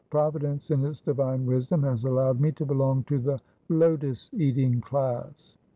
Providence, in its divine wisdom, has allowed me to belong to the lotus eating class.